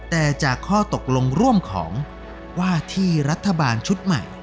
แต่จากข้อตกลงร่วมของว่าที่รัฐบาลชุดใหม่